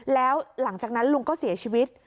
แล้วหลังจากนั้นลุงก็เสียชีวิต